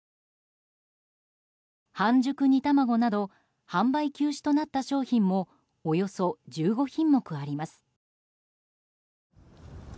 半熟煮たまごなど販売休止となった商品もおよそ１５品目あります。